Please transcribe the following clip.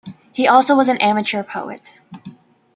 He also was an amateur poet.